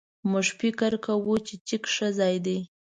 موږ فکر کوو چې چک ښه ځای دی.